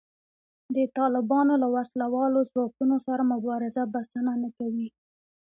د طالبانو له وسله والو ځواکونو سره مبارزه بسنه نه کوي